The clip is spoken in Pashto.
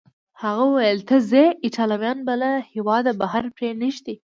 هغه وویل: ته ځې، ایټالویان به تا له هیواده بهر پرېنږدي.